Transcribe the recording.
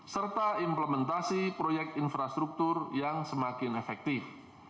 serta implementasi proyek infrastruktur yang semakin efektif